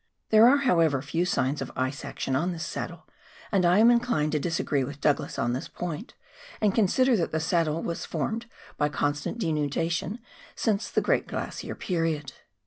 There are, how ever, few signs of ice action on this saddle, and I am inclined to disagree with Douglas on this point, and consider that the saddle has formed by constant denudation since the great glacier period.